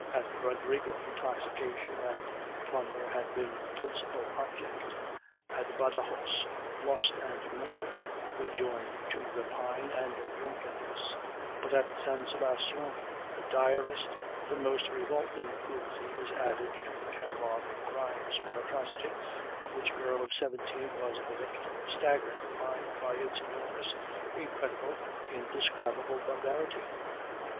At Rodrigo intoxication and plunder had been the principal object; at Badajos lust and murder were joined to rapine and drunkenness; but at San Sebastian the direst, the most revolting cruelty was added to the catalogue of crimes one atrocity, of which a girl of seventeen was the victim, staggers the mind by its enormous, incredible, indescribable barbarity...